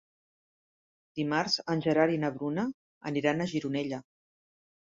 Dimarts en Gerard i na Bruna aniran a Gironella.